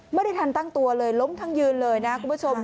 ไม่ทันตั้งตัวเลยล้มทั้งยืนเลยนะคุณผู้ชม